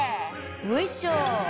よいしょ。